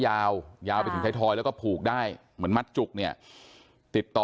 ยาวยาวไปถึงไทยทอยแล้วก็ผูกได้เหมือนมัดจุกเนี่ยติดต่อ